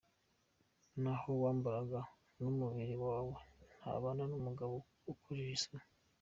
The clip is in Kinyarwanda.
naho wabwambara numubili wawe ntabana numugabo ukojeje isoni